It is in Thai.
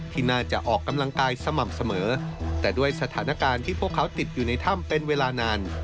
ที่น่าจะออกกำลังกายสม่ำเสมอแต่ด้วยสถานการณ์ที่พวกเขาติดอยู่ในถ้ำเป็นเวลานาน